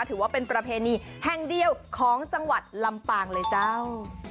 ถือว่าเป็นประเพณีแห่งเดียวของจังหวัดลำปางเลยเจ้า